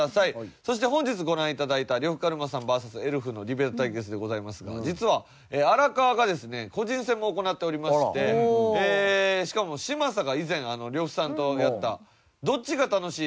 そして本日ご覧頂いた呂布カルマさんＶＳエルフのディベート対決でございますが実は荒川がですね個人戦も行っておりましてしかも嶋佐が以前呂布さんとやったどっちが楽しい？